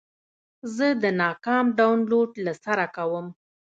زه د ناکام ډاونلوډ له سره کوم.